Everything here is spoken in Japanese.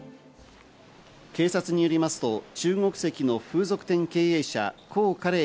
警察によりますと、中国籍の風俗店経営者コウ・カレイ